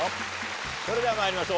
それでは参りましょう。